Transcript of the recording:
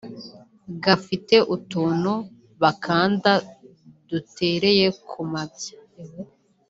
Gafite utuntu bakanda dutereye ku mabya